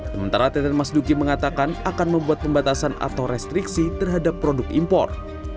sementara teten mas duki mengatakan akan membuat pembatasan atau restriksi terhadap produk impor